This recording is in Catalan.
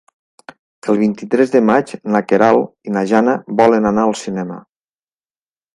El vint-i-tres de maig na Queralt i na Jana volen anar al cinema.